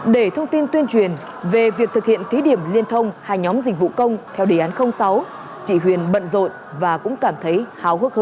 để thông tin tuyên truyền về việc thực hiện thí điểm liên thông hai nhóm dịch vụ công theo đề án sáu chị huyền bận rộn và cũng cảm thấy hào hức hơn